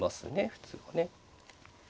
普通はね。